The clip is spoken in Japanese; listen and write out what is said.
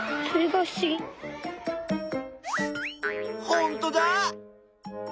ほんとだ。